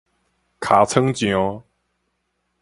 尻川癢